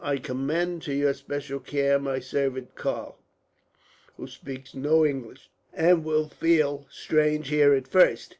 I commend to your special care my servant Karl, who speaks no English, and will feel strange here at first.